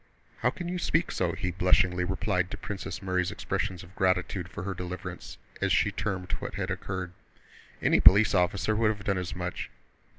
"How can you speak so!" he blushingly replied to Princess Mary's expressions of gratitude for her deliverance, as she termed what had occurred. "Any police officer would have done as much!